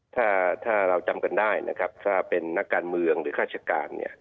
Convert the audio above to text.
ถ้าเราจำกันได้ถ้าเป็นนักการเมืองหรือฆาตรการ